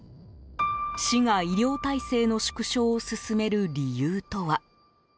市が医療体制の縮小を進める理由とは？